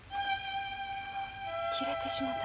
切れてしもうた。